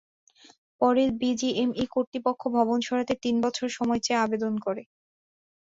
পরে বিজিএমইএ কর্তৃপক্ষ ভবন সরাতে তিন বছর সময় চেয়ে আবেদন করে।